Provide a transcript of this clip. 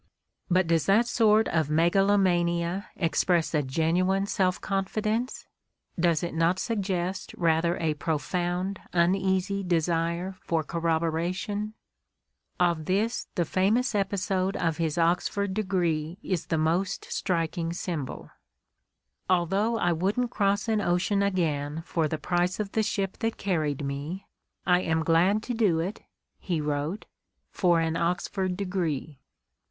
But does that sort of megalomania express a genuine self confi dence? Does it not suggest rather a profound, uneasy desire for corroboration ? Of this the famous episode of his Oxford degree is the most striking symbol. "Al though I wouldn't cross an ocean again for the price of the ship that carried me, I am glad to do it," he wrote, "for an Oxford degree."